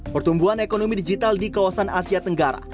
pertumbuhan ekonomi digital di kawasan asia tenggara